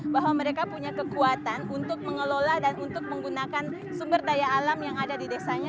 bahwa mereka punya kekuatan untuk mengelola dan untuk menggunakan sumber daya alam yang ada di desanya